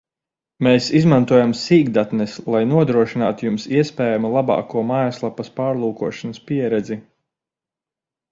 Mēs izmantojam sīkdatnes, lai nodrošinātu Jums iespējami labāko mājaslapas pārlūkošanas pieredzi